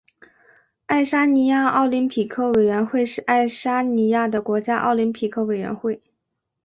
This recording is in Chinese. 爱沙尼亚奥林匹克委员会是爱沙尼亚的国家奥林匹克委员会。